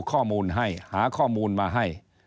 ข้อมูลให้หาข้อมูลมาให้